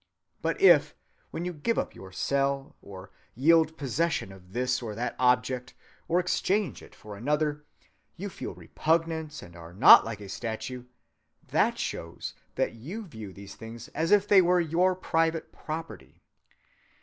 But if, when you give up your cell, or yield possession of this or that object or exchange it for another, you feel repugnance and are not like a statue, that shows that you view these things as if they were your private property.